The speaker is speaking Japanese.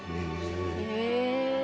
へえ。